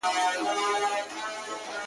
o ته له قلف دروازې، یو خروار بار باسه.